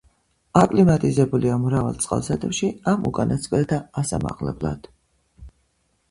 აკლიმატიზებულია მრავალ წყალსატევში ამ უკანასკნელთა ასამაღლებლად.